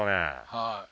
はい。